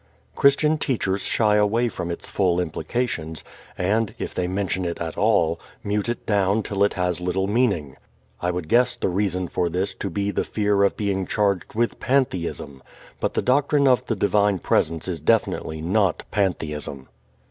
Christian teachers shy away from its full implications, and, if they mention it at all, mute it down till it has little meaning. I would guess the reason for this to be the fear of being charged with pantheism; but the doctrine of the divine Presence is definitely not pantheism.